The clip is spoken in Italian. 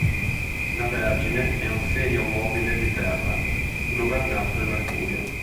La Vergine è un segno mobile di terra, governato da Mercurio.